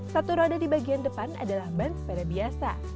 satu roda di bagian depan adalah ban sepeda biasa